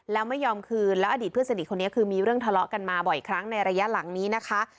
แล้วไม่ยอมคืนแล้วอดีตเพื่อนสนิทคนนี้คือมีเรื่องทะเลาะกันมาบ่อยครั้งในระยะหลังนี้นะคะ